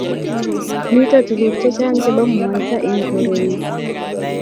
mito tuguk chechang' chebo mwaita eng' kore nyo